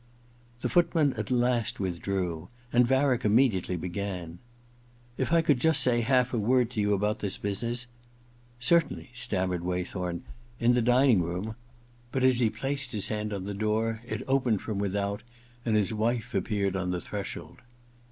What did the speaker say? The footman at last withdrew, and Varick immediately began :* If I could just say half a word to you about this business '* Certainly,' stammered Waythorn ;^ in the dining room * 74 THE OTHER TWO v But as he placed his hand on the door it opened from without, and his wife appeared on the threshold.